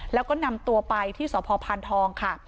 แล้วก็นำตัวไปที่สพพานทองค่ะ